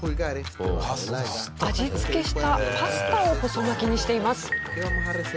味付けしたパスタを細巻きにしています。